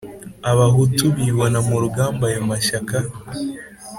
Abahutu bibona mu rugamba ayo mashyaka